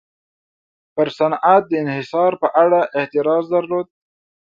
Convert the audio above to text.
پر صنعت د انحصار په اړه اعتراض درلود.